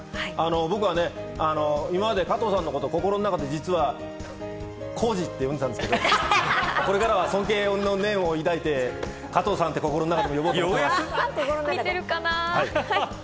僕は今まで加藤さんのことを心の中で実は「浩次」って呼んでたんですけど、これからは尊敬の念を抱いて、加藤さんって呼びます。